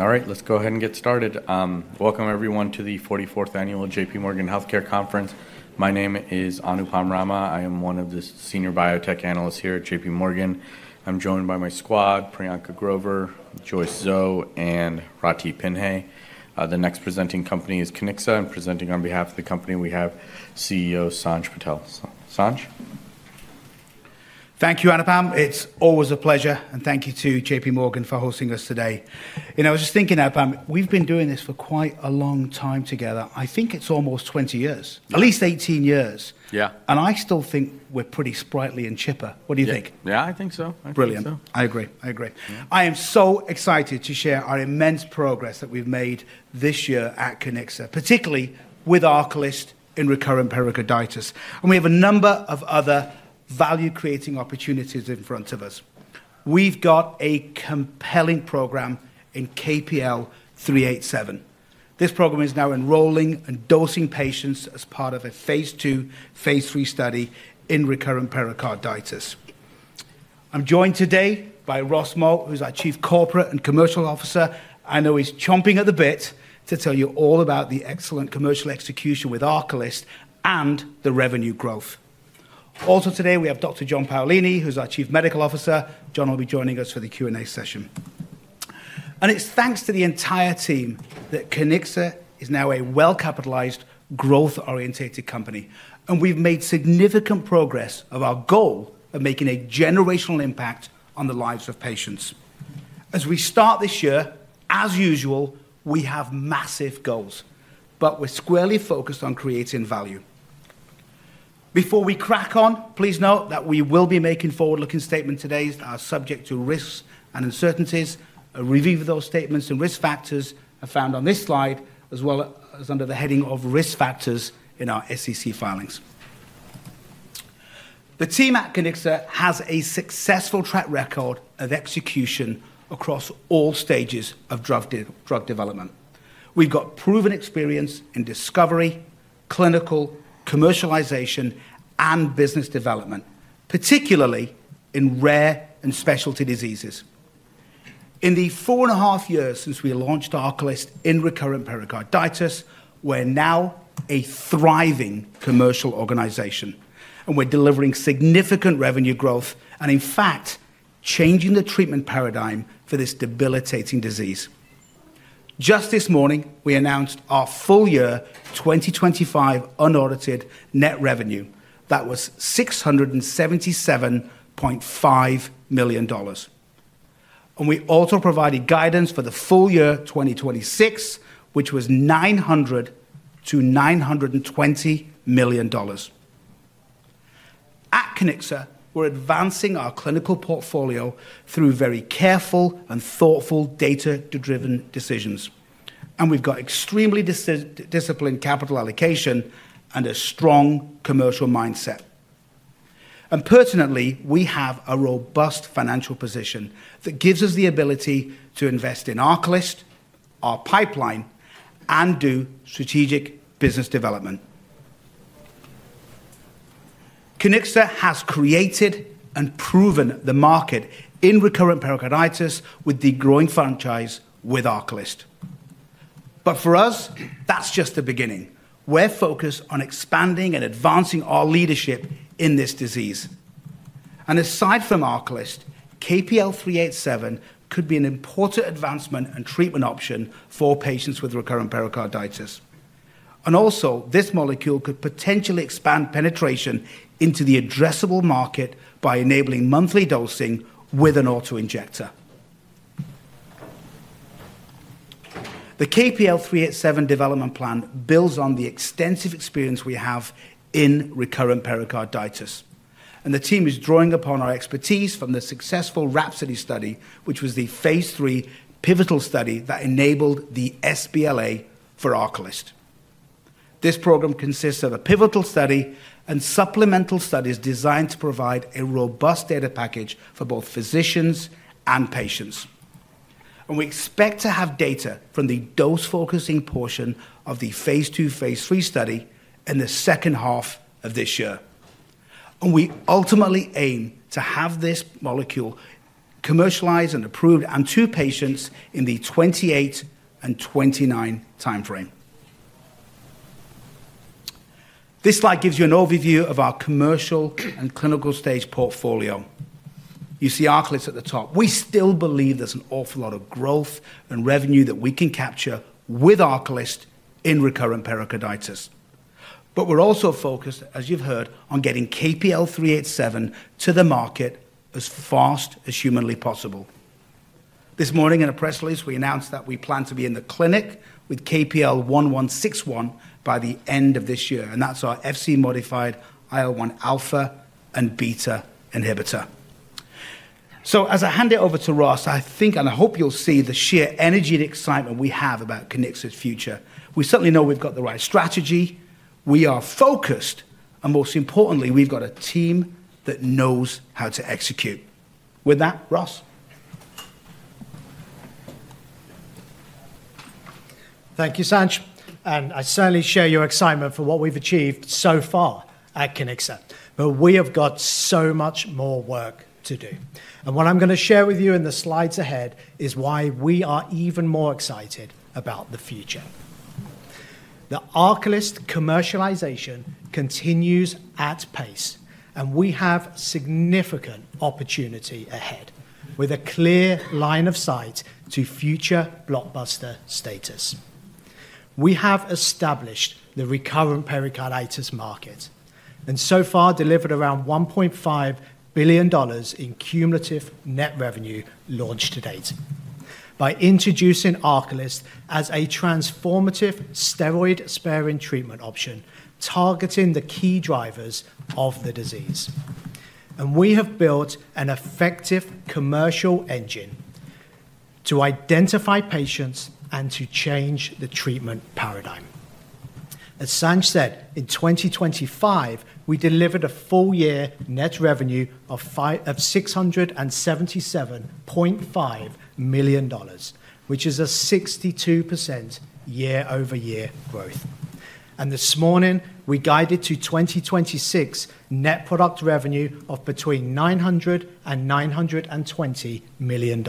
All right, let's go ahead and get started. Welcome, everyone, to the 44th Annual J.P. Morgan Healthcare Conference. My name is Anupam Rama. I am one of the senior biotech analysts here at J.P. Morgan. I'm joined by my squad: Priyanka Grover, Joyce Zhou, and Rathi Pinhasi. The next presenting company is Kiniksa. I'm presenting on behalf of the company. We have CEO Sanj Patel. Sanj? Thank you, Anupam. It's always a pleasure. And thank you to J.P. Morgan for hosting us today. I was just thinking, Anupam, we've been doing this for quite a long time together. I think it's almost 20 years, at least 18 years. Yeah. I still think we're pretty sprightly and chipper. What do you think? Yeah, I think so. Brilliant. I agree. I agree. I am so excited to share our immense progress that we've made this year at Kiniksa, particularly with ARCALYST in recurrent pericarditis. And we have a number of other value-creating opportunities in front of us. We've got a compelling program in KPL-387. This program is now enrolling and dosing patients as part of a phase two, phase three study in recurrent pericarditis. I'm joined today by Ross Moat, who's our Chief Corporate and Commercial Officer. I know he's chomping at the bit to tell you all about the excellent commercial execution with ARCALYST and the revenue growth. Also today, we have Dr. John Paolini, who's our Chief Medical Officer. John will be joining us for the Q&A session. And it's thanks to the entire team that Kiniksa is now a well-capitalized, growth-oriented company. We've made significant progress on our goal of making a generational impact on the lives of patients. As we start this year, as usual, we have massive goals, but we're squarely focused on creating value. Before we crack on, please note that we will be making forward-looking statements today that are subject to risks and uncertainties. A review of those statements and risk factors is found on this slide, as well as under the heading of risk factors in our SEC filings. The team at Kiniksa has a successful track record of execution across all stages of drug development. We've got proven experience in discovery, clinical, commercialization, and business development, particularly in rare and specialty diseases. In the four and a half years since we launched ARCALYST in recurrent pericarditis, we're now a thriving commercial organization. We're delivering significant revenue growth and, in fact, changing the treatment paradigm for this debilitating disease. Just this morning, we announced our full year 2025 unaudited net revenue. That was $677.5 million. We also provided guidance for the full year 2026, which was $900-$920 million. At Kiniksa, we're advancing our clinical portfolio through very careful and thoughtful data-driven decisions. We've got extremely disciplined capital allocation and a strong commercial mindset. Pertinently, we have a robust financial position that gives us the ability to invest in ARCALYST, our pipeline, and do strategic business development. Kiniksa has created and proven the market in recurrent pericarditis with the growing franchise with ARCALYST. For us, that's just the beginning. We're focused on expanding and advancing our leadership in this disease. Aside from ARCALYST, KPL-387 could be an important advancement and treatment option for patients with recurrent pericarditis. Also, this molecule could potentially expand penetration into the addressable market by enabling monthly dosing with an autoinjector. The KPL-387 development plan builds on the extensive experience we have in recurrent pericarditis. The team is drawing upon our expertise from the successful RHAPSODY study, which was the phase 3 pivotal study that enabled the sBLA for ARCALYST. This program consists of a pivotal study and supplemental studies designed to provide a robust data package for both physicians and patients. We expect to have data from the dose-focusing portion of the phase 2/3 study in the second half of this year. We ultimately aim to have this molecule commercialized and approved in the 2028 and 2029 timeframe. This slide gives you an overview of our commercial and clinical stage portfolio. You see ARCALYST at the top. We still believe there's an awful lot of growth and revenue that we can capture with ARCALYST in recurrent pericarditis. But we're also focused, as you've heard, on getting KPL-387 to the market as fast as humanly possible. This morning, in a press release, we announced that we plan to be in the clinic with KPL-1161 by the end of this year. And that's our Fc-modified IL-1 alpha and beta inhibitor. So as I hand it over to Ross, I think, and I hope you'll see the sheer energy and excitement we have about Kiniksa's future. We certainly know we've got the right strategy. We are focused. And most importantly, we've got a team that knows how to execute. With that, Ross. Thank you, Sanj, and I certainly share your excitement for what we've achieved so far at Kiniksa. But we have got so much more work to do. And what I'm going to share with you in the slides ahead is why we are even more excited about the future. The ARCALYST commercialization continues at pace, and we have significant opportunity ahead with a clear line of sight to future blockbuster status. We have established the recurrent pericarditis market and so far delivered around $1.5 billion in cumulative net revenue launched to date by introducing ARCALYST as a transformative steroid-sparing treatment option targeting the key drivers of the disease. And we have built an effective commercial engine to identify patients and to change the treatment paradigm. As Sanj said, in 2025, we delivered a full year net revenue of $677.5 million, which is a 62% year-over-year growth. This morning, we guided to 2026 net product revenue of between $900 and $920 million.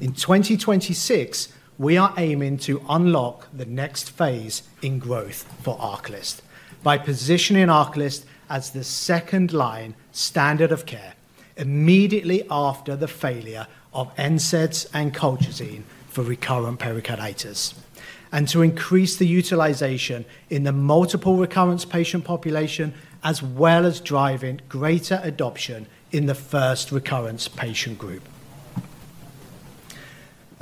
In 2026, we are aiming to unlock the next phase in growth for ARCALYST by positioning ARCALYST as the second line standard of care immediately after the failure of NSAIDs and Colchicine for recurrent pericarditis and to increase the utilization in the multiple recurrence patient population, as well as driving greater adoption in the first recurrence patient group.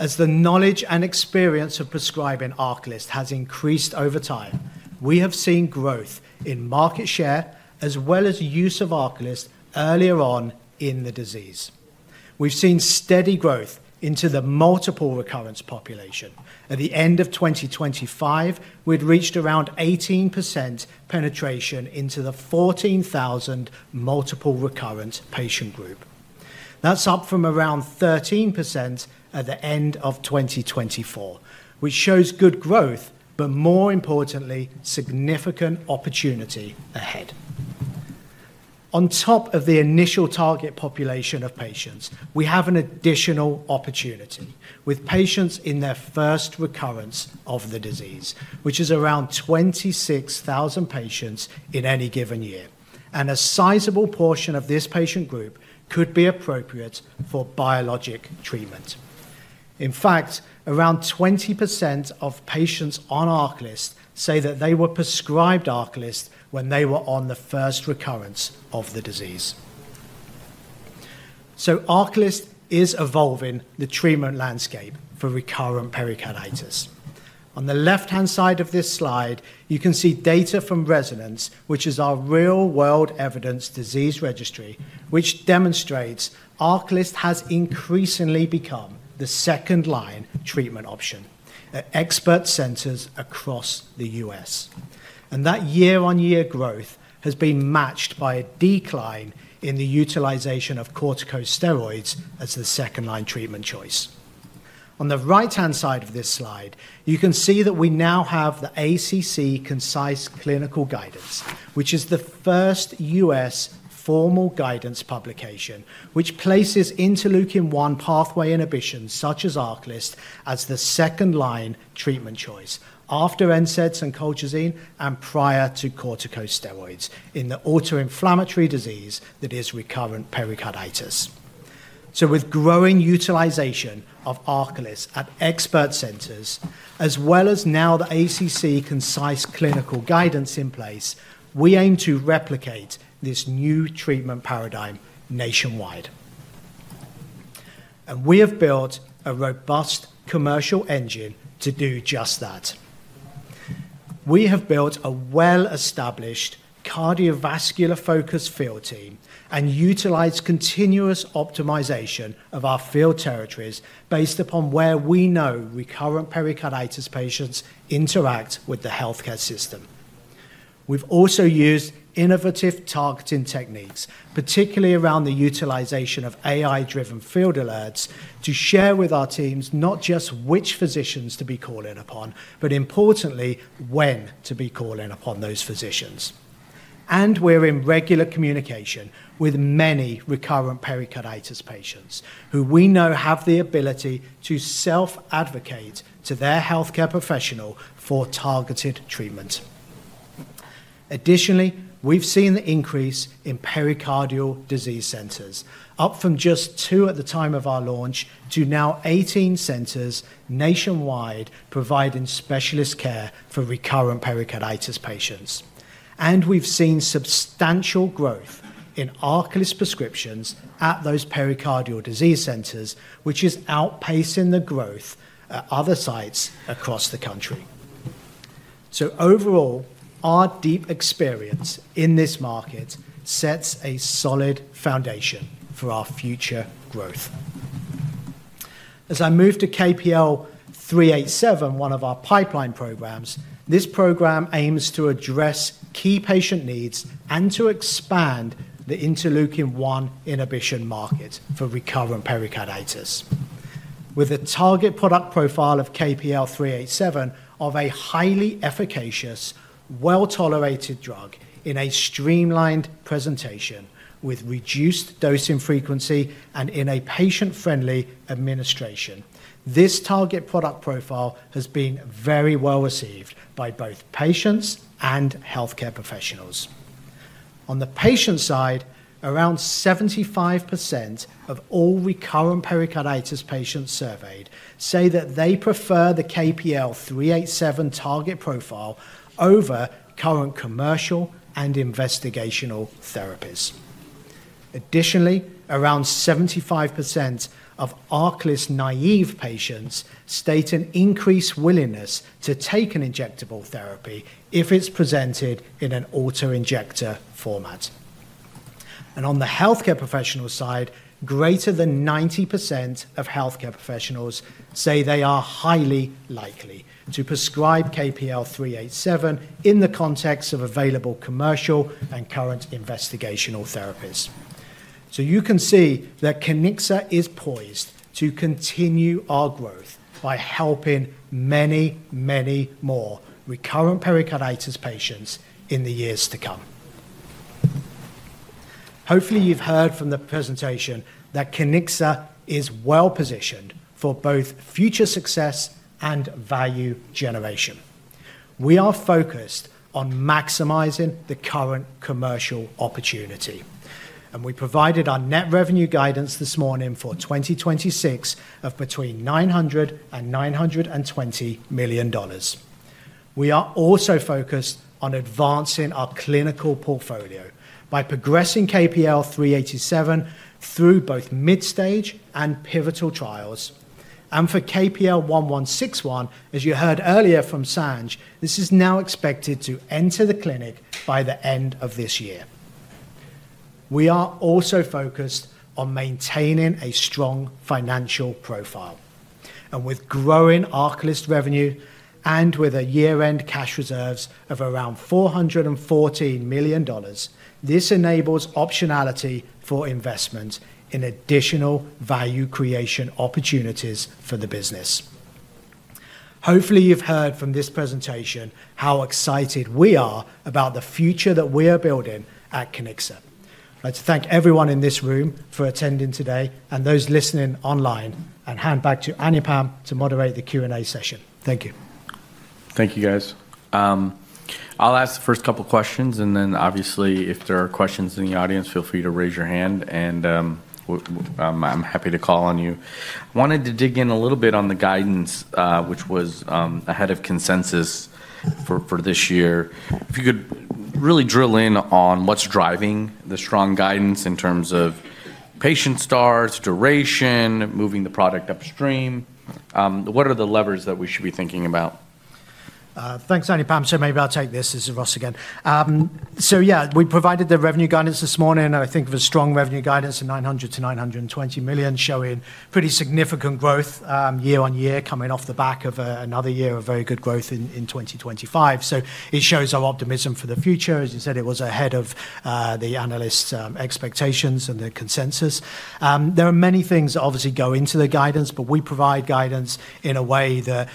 As the knowledge and experience of prescribing ARCALYST has increased over time, we have seen growth in market share as well as use of ARCALYST earlier on in the disease. We've seen steady growth into the multiple recurrence population. At the end of 2025, we'd reached around 18% penetration into the 14,000 multiple recurrent patient group. That's up from around 13% at the end of 2024, which shows good growth, but more importantly, significant opportunity ahead. On top of the initial target population of patients, we have an additional opportunity with patients in their first recurrence of the disease, which is around 26,000 patients in any given year, and a sizable portion of this patient group could be appropriate for biologic treatment. In fact, around 20% of patients on ARCALYST say that they were prescribed ARCALYST when they were on the first recurrence of the disease, so ARCALYST is evolving the treatment landscape for recurrent pericarditis. On the left-hand side of this slide, you can see data from RESONANCE, which is our real-world evidence disease registry, which demonstrates ARCALYST has increasingly become the second line treatment option at expert centers across the U.S., and that year-on-year growth has been matched by a decline in the utilization of corticosteroids as the second line treatment choice. On the right-hand side of this slide, you can see that we now have the ACC Concise Clinical Guidance, which is the first U.S. formal guidance publication, which places interleukin-1 pathway inhibition such as ARCALYST as the second line treatment choice after NSAIDs and colchicine and prior to corticosteroids in the autoinflammatory disease that is recurrent pericarditis. With growing utilization of ARCALYST at expert centers, as well as now the ACC Concise Clinical Guidance in place, we aim to replicate this new treatment paradigm nationwide. We have built a robust commercial engine to do just that. We have built a well-established cardiovascular-focused field team and utilized continuous optimization of our field territories based upon where we know recurrent pericarditis patients interact with the healthcare system. We've also used innovative targeting techniques, particularly around the utilization of AI-driven field alerts to share with our teams not just which physicians to be calling upon, but importantly, when to be calling upon those physicians. And we're in regular communication with many recurrent pericarditis patients who we know have the ability to self-advocate to their healthcare professional for targeted treatment. Additionally, we've seen the increase in pericardial disease centers, up from just two at the time of our launch to now 18 centers nationwide providing specialist care for recurrent pericarditis patients. And we've seen substantial growth in ARCALYST prescriptions at those pericardial disease centers, which is outpacing the growth at other sites across the country. So overall, our deep experience in this market sets a solid foundation for our future growth. As I move to KPL-387, one of our pipeline programs, this program aims to address key patient needs and to expand the interleukin-1 inhibition market for recurrent pericarditis with a target product profile of KPL-387 of a highly efficacious, well-tolerated drug in a streamlined presentation with reduced dosing frequency and in a patient-friendly administration. This target product profile has been very well received by both patients and healthcare professionals. On the patient side, around 75% of all recurrent pericarditis patients surveyed say that they prefer the KPL-387 target profile over current commercial and investigational therapies. Additionally, around 75% of ARCALYST naive patients state an increased willingness to take an injectable therapy if it's presented in an autoinjector format. On the healthcare professional side, greater than 90% of healthcare professionals say they are highly likely to prescribe KPL 387 in the context of available commercial and current investigational therapies. You can see that Kiniksa is poised to continue our growth by helping many, many more recurrent pericarditis patients in the years to come. Hopefully, you've heard from the presentation that Kiniksa is well positioned for both future success and value generation. We are focused on maximizing the current commercial opportunity. We provided our net revenue guidance this morning for 2026 of between $900 and $920 million. We are also focused on advancing our clinical portfolio by progressing KPL 387 through both mid-stage and pivotal trials. For KPL 1161, as you heard earlier from Sanj, this is now expected to enter the clinic by the end of this year. We are also focused on maintaining a strong financial profile, and with growing ARCALYST revenue and with a year-end cash reserves of around $414 million, this enables optionality for investment in additional value creation opportunities for the business. Hopefully, you've heard from this presentation how excited we are about the future that we are building at Kiniksa. I'd like to thank everyone in this room for attending today and those listening online and hand back to Anupam to moderate the Q&A session. Thank you. Thank you, guys. I'll ask the first couple of questions, and then obviously, if there are questions in the audience, feel free to raise your hand, and I'm happy to call on you. I wanted to dig in a little bit on the guidance, which was ahead of consensus for this year. If you could really drill in on what's driving the strong guidance in terms of patient starts, duration, moving the product upstream, what are the levers that we should be thinking about? Thanks, Anupam. So maybe I'll take this as for Ross again. So yeah, we provided the revenue guidance this morning, and I think of a strong revenue guidance of $900-$920 million showing pretty significant growth year-on-year coming off the back of another year of very good growth in 2025. So it shows our optimism for the future. As you said, it was ahead of the analysts' expectations and the consensus. There are many things that obviously go into the guidance, but we provide guidance in a way that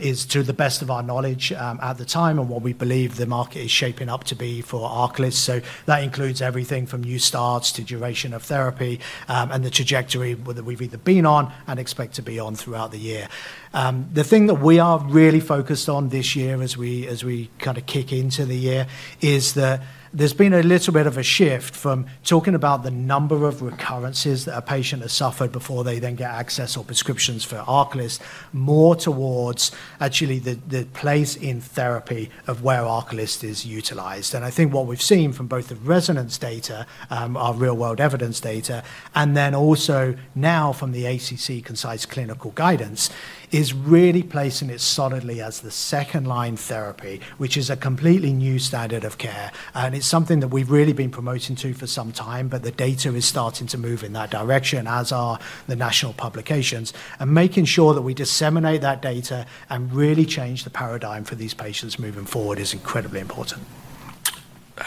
is to the best of our knowledge at the time and what we believe the market is shaping up to be for ARCALYST. So that includes everything from new starts to duration of therapy and the trajectory that we've either been on and expect to be on throughout the year. The thing that we are really focused on this year as we kind of kick into the year is that there's been a little bit of a shift from talking about the number of recurrences that a patient has suffered before they then get access or prescriptions for ARCALYST more towards actually the place in therapy of where ARCALYST is utilized. And I think what we've seen from both the RESONANCE data, our real-world evidence data, and then also now from the ACC Concise Clinical Guidance is really placing it solidly as the second line therapy, which is a completely new standard of care. And it's something that we've really been promoting for some time, but the data is starting to move in that direction, as are the national publications. Making sure that we disseminate that data and really change the paradigm for these patients moving forward is incredibly important.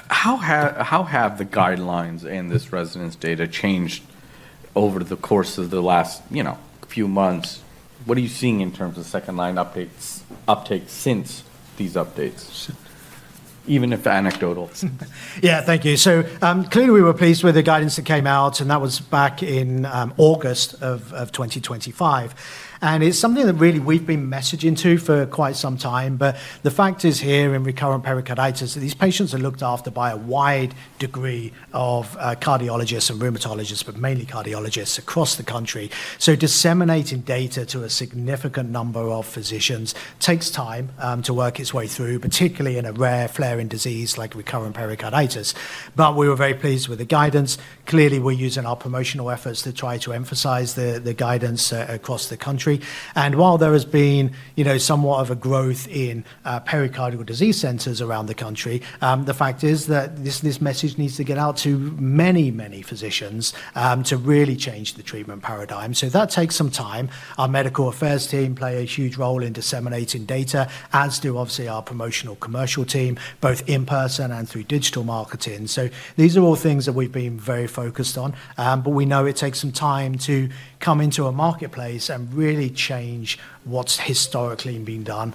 How have the guidelines in this RESONANCE data changed over the course of the last few months? What are you seeing in terms of second line uptakes since these updates, even if they're anecdotal? Yeah, thank you. So clearly, we were pleased with the guidance that came out, and that was back in August of 2025, and it's something that really we've been messaging to for quite some time, but the fact is here in recurrent pericarditis that these patients are looked after by a wide degree of cardiologists and rheumatologists, but mainly cardiologists across the country, so disseminating data to a significant number of physicians takes time to work its way through, particularly in a rare flaring disease like recurrent pericarditis, but we were very pleased with the guidance. Clearly, we're using our promotional efforts to try to emphasize the guidance across the country, and while there has been somewhat of a growth in pericardial disease centers around the country, the fact is that this message needs to get out to many, many physicians to really change the treatment paradigm. That takes some time. Our medical affairs team play a huge role in disseminating data, as do obviously our promotional commercial team, both in person and through digital marketing. These are all things that we've been very focused on, but we know it takes some time to come into a marketplace and really change what's historically been done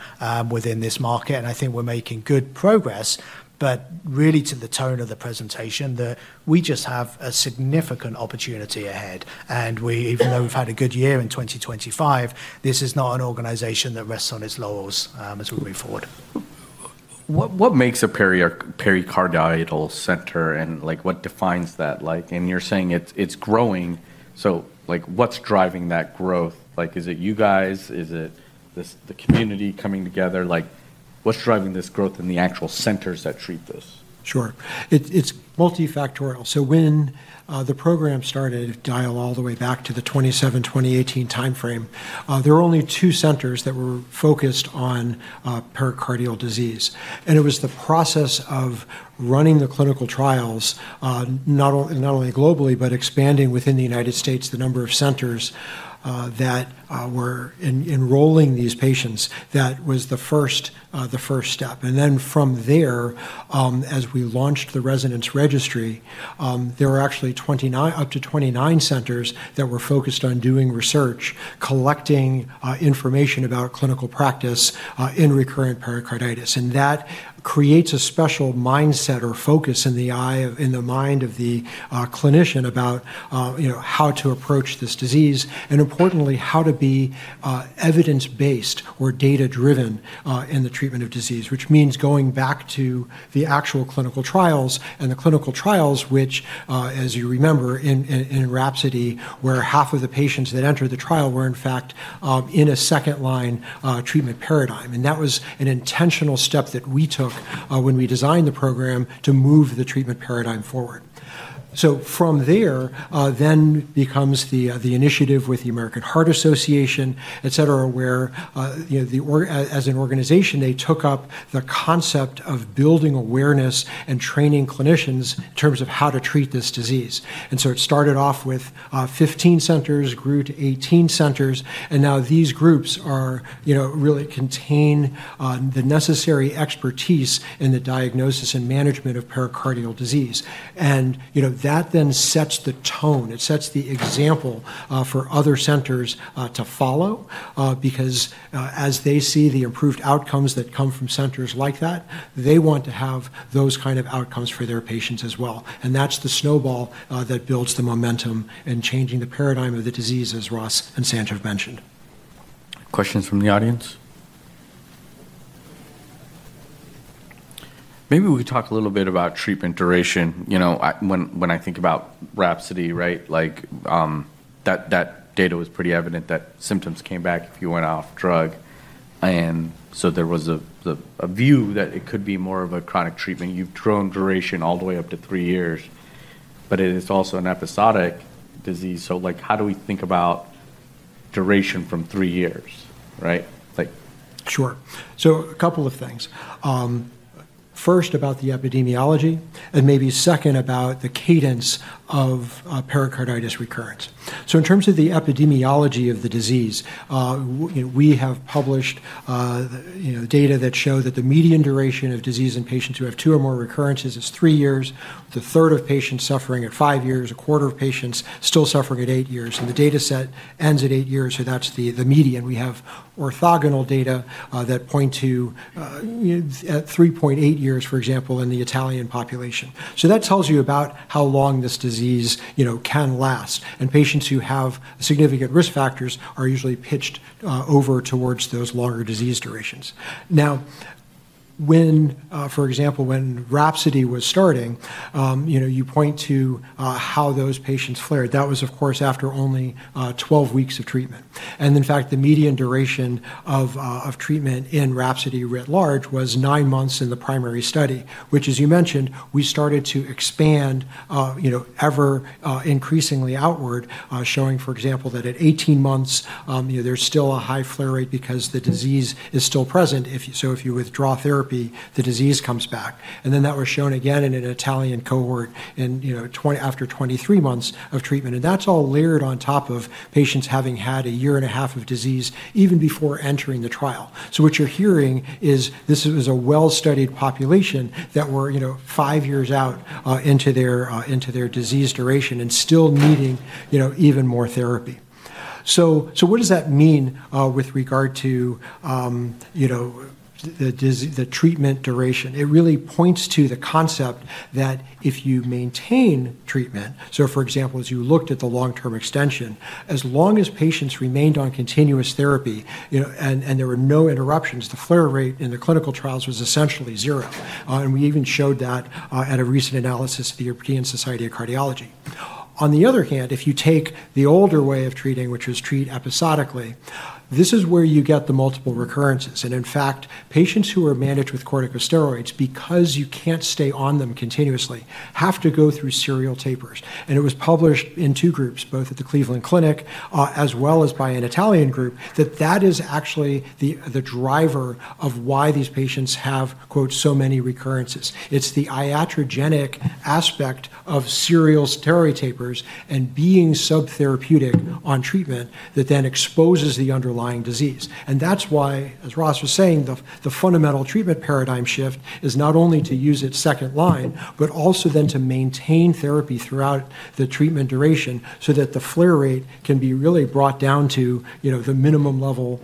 within this market. I think we're making good progress, but really to the tone of the presentation, that we just have a significant opportunity ahead. Even though we've had a good year in 2025, this is not an organization that rests on its laurels as we move forward. What makes a pericardial center and what defines that? And you're saying it's growing. So what's driving that growth? Is it you guys? Is it the community coming together? What's driving this growth in the actual centers that treat this? Sure. It's multifactorial. So when the program started, if dial all the way back to the 2017-2018 timeframe, there were only two centers that were focused on pericardial disease. And it was the process of running the clinical trials, not only globally, but expanding within the United States the number of centers that were enrolling these patients, that was the first step. And then from there, as we launched the RESONANCE registry, there were actually up to 29 centers that were focused on doing research, collecting information about clinical practice in recurrent pericarditis. That creates a special mindset or focus in the mind of the clinician about how to approach this disease and, importantly, how to be evidence-based or data-driven in the treatment of disease, which means going back to the actual clinical trials, which, as you remember, in RHAPSODY, where half of the patients that entered the trial were, in fact, in a second line treatment paradigm. That was an intentional step that we took when we designed the program to move the treatment paradigm forward. From there, then becomes the initiative with the American Heart Association, etc., where as an organization, they took up the concept of building awareness and training clinicians in terms of how to treat this disease. And so it started off with 15 centers, grew to 18 centers, and now these groups really contain the necessary expertise in the diagnosis and management of pericardial disease. And that then sets the tone. It sets the example for other centers to follow because as they see the improved outcomes that come from centers like that, they want to have those kinds of outcomes for their patients as well. And that's the snowball that builds the momentum in changing the paradigm of the disease, as Ross and Sanj have mentioned. Questions from the audience? Maybe we could talk a little bit about treatment duration. When I think about RHAPSODY, that data was pretty evident that symptoms came back if you went off drug, and so there was a view that it could be more of a chronic treatment. You've drawn duration all the way up to three years, but it is also an episodic disease, so how do we think about duration from three years? Sure, so a couple of things. First, about the epidemiology, and maybe second, about the cadence of pericarditis recurrence, so in terms of the epidemiology of the disease, we have published data that show that the median duration of disease in patients who have two or more recurrences is three years, one third of patients suffering at five years, a quarter of patients still suffering at eight years, and the data set ends at eight years, so that's the median. We have orthogonal data that point to 3.8 years, for example, in the Italian population, so that tells you about how long this disease can last, and patients who have significant risk factors are usually pitched over towards those longer disease durations. Now, for example, when RHAPSODY was starting, you point to how those patients flared. That was, of course, after only 12 weeks of treatment. And in fact, the median duration of treatment in RHAPSODY writ large was nine months in the primary study, which, as you mentioned, we started to expand ever increasingly outward, showing, for example, that at 18 months, there's still a high flare rate because the disease is still present. So if you withdraw therapy, the disease comes back. And then that was shown again in an Italian cohort after 23 months of treatment. And that's all layered on top of patients having had a year and a half of disease even before entering the trial. So what you're hearing is this was a well-studied population that were five years out into their disease duration and still needing even more therapy. So what does that mean with regard to the treatment duration? It really points to the concept that if you maintain treatment, so for example, as you looked at the long-term extension, as long as patients remained on continuous therapy and there were no interruptions, the flare rate in the clinical trials was essentially zero. And we even showed that at a recent analysis of the European Society of Cardiology. On the other hand, if you take the older way of treating, which was treat episodically, this is where you get the multiple recurrences. And in fact, patients who are managed with corticosteroids, because you can't stay on them continuously, have to go through serial tapers. And it was published in two groups, both at the Cleveland Clinic as well as by an Italian group, that that is actually the driver of why these patients have, quote, "so many recurrences." It's the iatrogenic aspect of serial steroid tapers and being subtherapeutic on treatment that then exposes the underlying disease. And that's why, as Ross was saying, the fundamental treatment paradigm shift is not only to use it second line, but also then to maintain therapy throughout the treatment duration so that the flare rate can be really brought down to the minimum level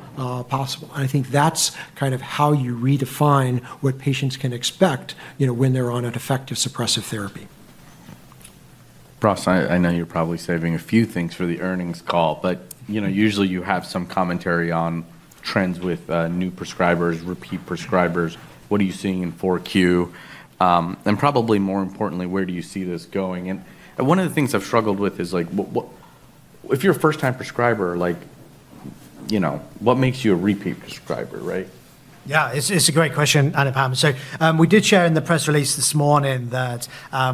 possible. And I think that's kind of how you redefine what patients can expect when they're on an effective suppressive therapy. Ross, I know you're probably saving a few things for the earnings call, but usually you have some commentary on trends with new prescribers, repeat prescribers. What are you seeing in 4Q? And probably more importantly, where do you see this going? And one of the things I've struggled with is if you're a first-time prescriber, what makes you a repeat prescriber? Yeah, it's a great question, Anupam, so we did share in the press release this morning that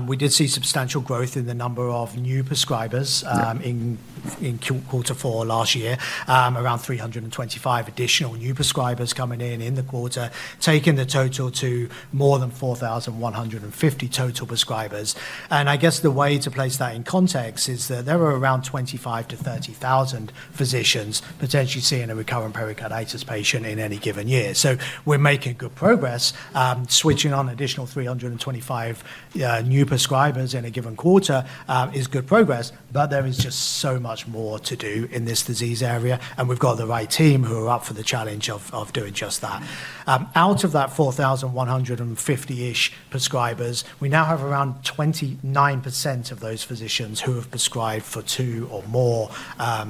we did see substantial growth in the number of new prescribers in quarter four last year, around 325 additional new prescribers coming in in the quarter, taking the total to more than 4,150 total prescribers, and I guess the way to place that in context is that there were around 25,000 to 30,000 physicians potentially seeing a recurrent pericarditis patient in any given year, so we're making good progress. Switching on additional 325 new prescribers in a given quarter is good progress, but there is just so much more to do in this disease area, and we've got the right team who are up for the challenge of doing just that. Out of that 4,150-ish prescribers, we now have around 29% of those physicians who have prescribed for two or more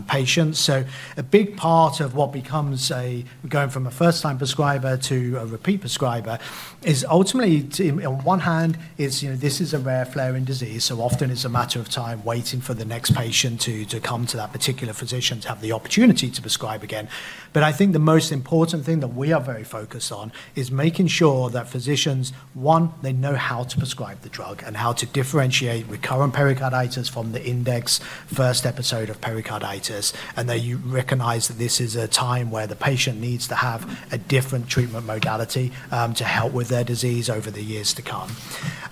patients. So a big part of what becomes a going from a first-time prescriber to a repeat prescriber is ultimately, on one hand, this is a rare flaring disease, so often it's a matter of time waiting for the next patient to come to that particular physician to have the opportunity to prescribe again. But I think the most important thing that we are very focused on is making sure that physicians, one, they know how to prescribe the drug and how to differentiate recurrent pericarditis from the index first episode of pericarditis, and they recognize that this is a time where the patient needs to have a different treatment modality to help with their disease over the years to come.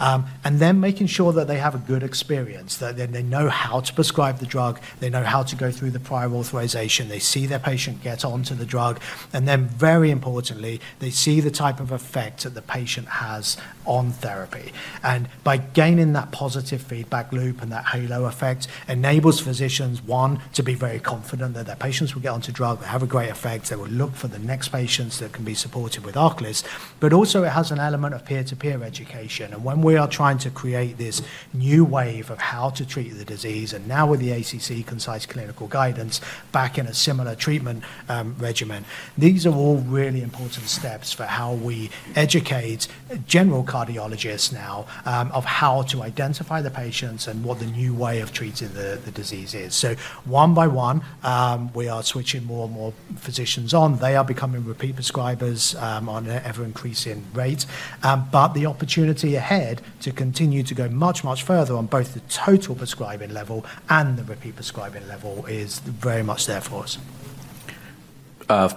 And then making sure that they have a good experience, that they know how to prescribe the drug, they know how to go through the prior authorization, they see their patient get onto the drug, and then very importantly, they see the type of effect that the patient has on therapy. And by gaining that positive feedback loop and that halo effect enables physicians, one, to be very confident that their patients will get onto drug, they have a great effect, they will look for the next patients that can be supported with ARCALYST, but also it has an element of peer-to-peer education. When we are trying to create this new wave of how to treat the disease, and now with the ACC Concise Clinical Guidance back in a similar treatment regimen, these are all really important steps for how we educate general cardiologists now of how to identify the patients and what the new way of treating the disease is. One by one, we are switching more and more physicians on. They are becoming repeat prescribers on an ever-increasing rate. The opportunity ahead to continue to go much, much further on both the total prescribing level and the repeat prescribing level is very much there for us.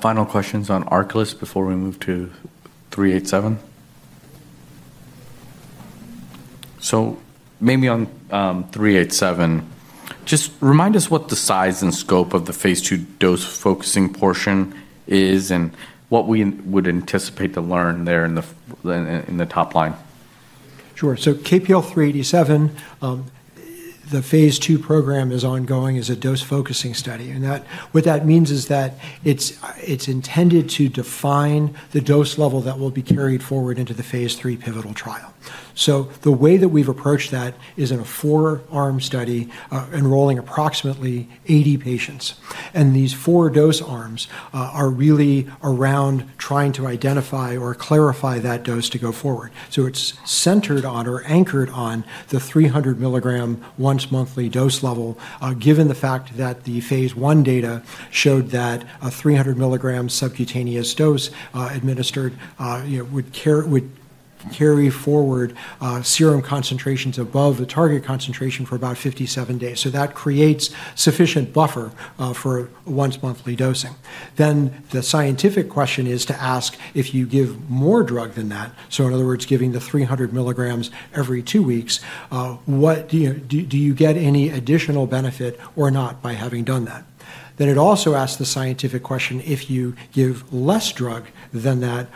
Final questions on ARCALYST before we move to 387? So maybe on 387, just remind us what the size and scope of the phase two dose focusing portion is and what we would anticipate to learn there in the top line. Sure. KPL-387, the phase 2 program is ongoing as a dose focusing study. What that means is that it's intended to define the dose level that will be carried forward into the phase 3 pivotal trial. The way that we've approached that is in a four-arm study enrolling approximately 80 patients. These four dose arms are really around trying to identify or clarify that dose to go forward. It's centered on or anchored on the 300 milligram once-monthly dose level, given the fact that the phase 1 data showed that a 300 milligram subcutaneous dose administered would carry forward serum concentrations above the target concentration for about 57 days. That creates sufficient buffer for once-monthly dosing. Then the scientific question is to ask if you give more drug than that, so in other words, giving the 300 milligrams every two weeks, do you get any additional benefit or not by having done that? Then it also asks the scientific question if you give less drug than that,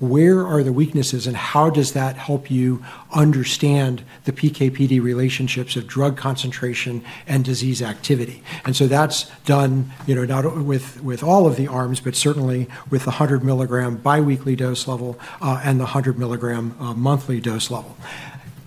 where are the weaknesses and how does that help you understand the PK/PD relationships of drug concentration and disease activity? And so that's done not with all of the arms, but certainly with the 100 milligram biweekly dose level and the 100 milligram monthly dose level.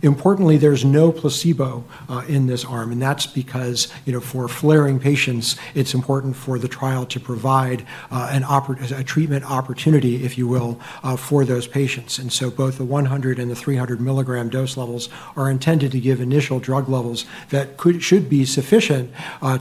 Importantly, there's no placebo in this arm, and that's because for flaring patients, it's important for the trial to provide a treatment opportunity, if you will, for those patients. And so both the 100 and the 300 milligram dose levels are intended to give initial drug levels that should be sufficient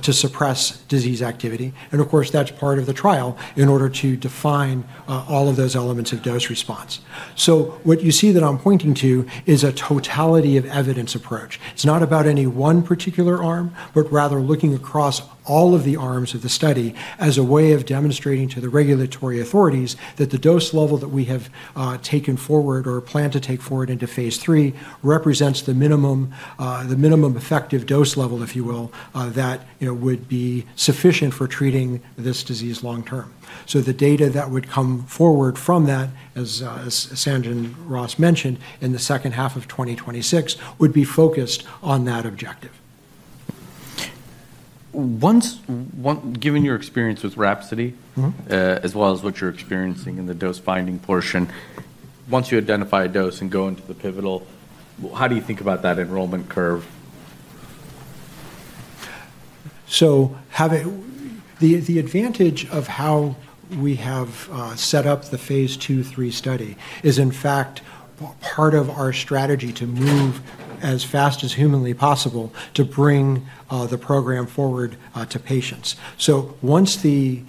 to suppress disease activity. And of course, that's part of the trial in order to define all of those elements of dose response. So what you see that I'm pointing to is a totality of evidence approach. It's not about any one particular arm, but rather looking across all of the arms of the study as a way of demonstrating to the regulatory authorities that the dose level that we have taken forward or plan to take forward into phase 3 represents the minimum effective dose level, if you will, that would be sufficient for treating this disease long term. So the data that would come forward from that, as Sanj and Ross mentioned, in the second half of 2026, would be focused on that objective. Given your experience with RHAPSODY, as well as what you're experiencing in the dose-finding portion, once you identify a dose and go into the pivotal, how do you think about that enrollment curve? So the advantage of how we have set up the phase 2/3 study is, in fact, part of our strategy to move as fast as humanly possible to bring the program forward to patients. So once the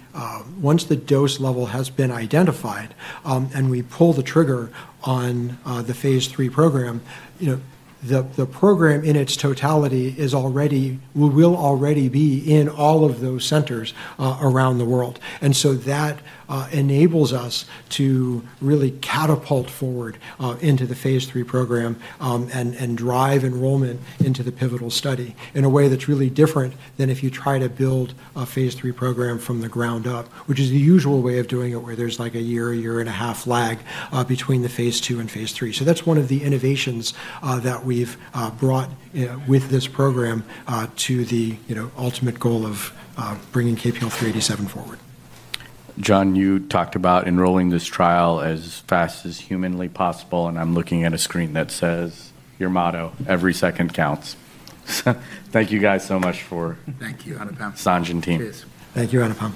dose level has been identified and we pull the trigger on the phase 3 program, the program in its totality will already be in all of those centers around the world. And so that enables us to really catapult forward into the phase 3 program and drive enrollment into the pivotal study in a way that's really different than if you try to build a phase 3 program from the ground up, which is the usual way of doing it where there's like a year, a year and a half lag between the phase 2 and phase 3. That's one of the innovations that we've brought with this program to the ultimate goal of bringing KPL-387 forward. John, you talked about enrolling this trial as fast as humanly possible, and I'm looking at a screen that says your motto, "Every second counts." So thank you guys so much for. Thank you, Anupam. Sanj and Team. Thank you, Anupam.